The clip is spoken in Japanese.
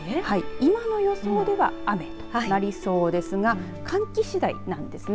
今の予想では雨となりそうですが寒気次第なんですね。